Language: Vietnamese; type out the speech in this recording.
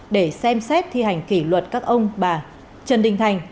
để xem xét thi hành kỷ luật các ông bà trần đình thành